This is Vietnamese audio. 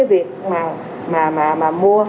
việc mà mua